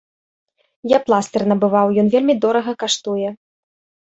Я пластыр набываў, ён вельмі дорага каштуе.